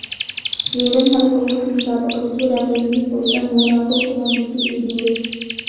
يېرىم ھەل قىلغۇچ مۇسابىقىدىكى رەقىبىمىز بولسا موناكو كوماندىسى ئىدى.